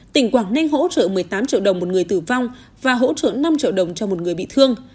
tỉnh quảng ninh hỗ trợ một mươi tám triệu đồng một người tử vong và hỗ trợ năm triệu đồng cho một người bị thương